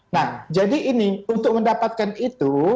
nah jadi ini untuk mendapatkan itu